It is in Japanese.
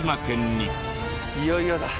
いよいよだ。